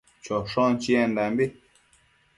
choshon chiendambi